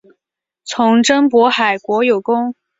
从征渤海国有功。